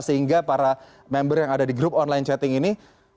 sehingga para member yang ada di grup online chatting ini